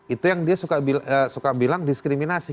itu yang dia suka bilang diskriminasi